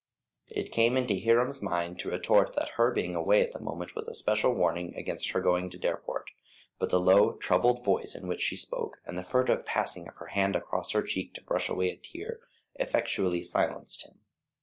It came into Hiram's mind to retort that her being away at that moment was a special warning against her going to Dareport; but the low, troubled voice in which she spoke, and the furtive passing of her hand across her cheek to brush away a tear, effectually silenced him.